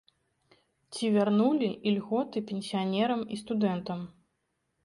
Ці вярнулі ільготы пенсіянерам і студэнтам?